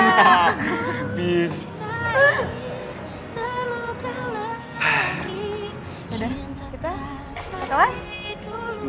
udah deh kita kekeluan